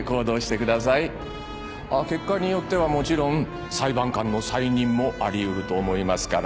結果によってはもちろん裁判官の再任もあり得ると思いますから。